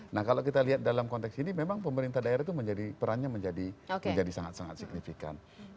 nah kalau kita lihat dalam konteks ini memang pemerintah daerah itu menjadi perannya menjadi sangat sangat signifikan